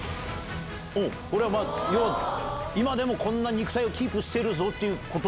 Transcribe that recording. これは今でもこんな肉体をキープしてるぞっていうこと。